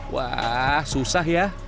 wah susah ya